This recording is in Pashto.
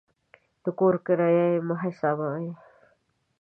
د کور کرایه یې مه حسابوئ.